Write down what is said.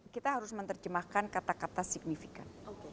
kita harus menerjemahkan kata kata signifikan